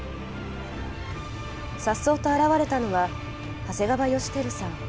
さっそうと現れたのは長谷川ヨシテルさん